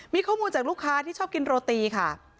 มีข้อมูลจากลูกค้าที่ชอบกินโรตีค่ะ